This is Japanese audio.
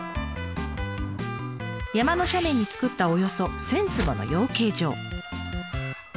山の斜面に作ったおよそ１，０００坪の養鶏場。